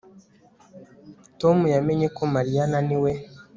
Tom yamenye ko Mariya ananiwe